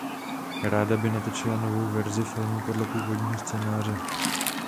Ráda by natočila novou verzi filmu podle původního scénáře.